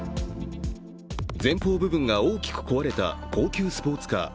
前方部分が大きく壊れた高級スポーツカー。